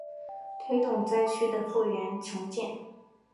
推动灾区的复原重建